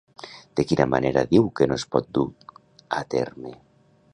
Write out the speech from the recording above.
De quina manera diu que no es pot dur a terme?